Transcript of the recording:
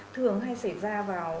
thường hay xảy ra vào